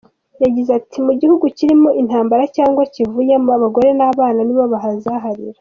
Yagize ati:"Mu gihugu kirimo intambara cyangwa kiyivuyemo, abagore n’abana ni bo bahazaharira.